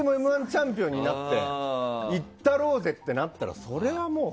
チャンピオンになっていったろうぜ！ってなったらそれはもう。